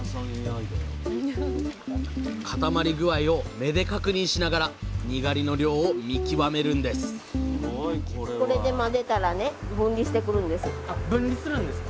固まり具合を目で確認しながらにがりの量を見極めるんです分離するんですか？